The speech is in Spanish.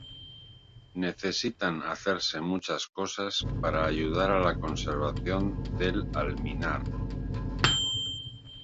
Necesitan hacerse muchas cosas para ayudar a la conservación del alminar.